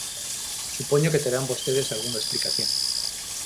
Supoño que terán vostedes algunha explicación.